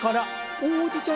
オーディション？